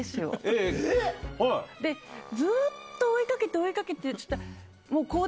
でずっと追いかけて追いかけて。